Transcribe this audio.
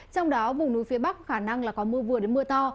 trong đó vùng núi phía bắc khả năng là có mưa vừa đến mưa to